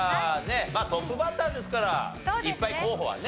まあトップバッターですからいっぱい候補はね。